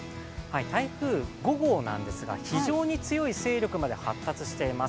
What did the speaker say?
台風５号なんですが非常に強い勢力まで発達しています。